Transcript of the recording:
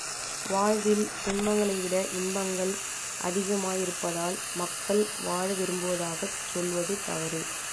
வாழ்வில் துன்பங்களைவிட இன்பங்கள் அதிகமாயிருப்பதால், மக்கள் வாழ விரும்புவதாகச் சொல்வது தவறு.